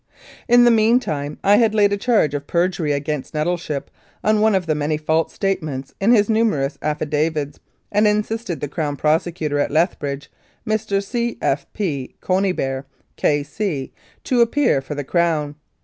In the meanwhile I had laid a charge of perjury against Nettleship on one of the many false statements in his numerous affidavits, and instructed the Crown Prosecutor at Lethbridge, Mr. C. F. P. Conybeare, K.C., to appear for the Crown.